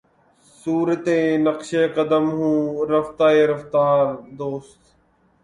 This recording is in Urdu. صورتِ نقشِ قدم ہوں رفتۂ رفتارِ دوست